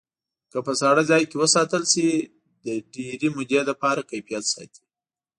که په ساړه ځای کې وساتل شي د ډېرې مودې لپاره کیفیت ساتي.